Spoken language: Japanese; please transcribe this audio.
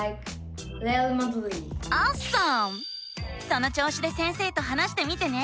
そのちょうしで先生と話してみてね！